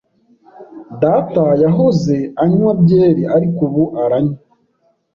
Data yahoze anywa byeri, ariko ubu aranywa.